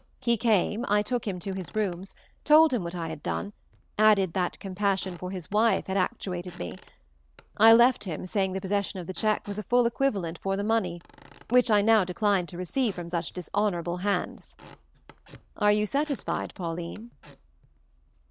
He came, I took him to his rooms, told him what I had done, added that compassion for his wife had actuated me. I left him saying the possession of the check was a full equivalent for the money, which I now declined to receive from such dishonorable hands. Are you satisfied, Pauline?"